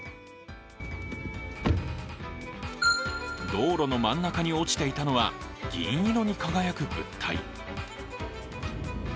道路の真ん中に落ちていたのは銀色に輝く物体。